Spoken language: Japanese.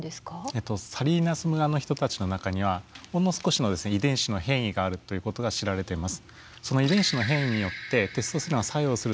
えっとサリーナス村の人たちの中にはほんの少しの遺伝子の変異があるということが知られてます。